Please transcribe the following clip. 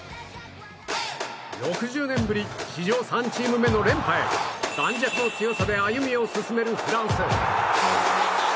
６０年ぶり史上３チーム目の連覇へ盤石の強さで歩みを進めるフランス。